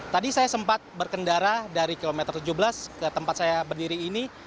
tadi saya sempat berkendara dari kilometer tujuh belas ke tempat saya berdiri ini